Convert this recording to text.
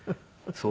そう。